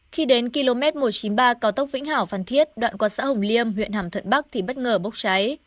khi đến km một trăm chín mươi ba cao tốc vĩnh hảo phan thiết đoạn qua xã hồng liêm huyện hàm thuận bắc thì bất ngờ bốc cháy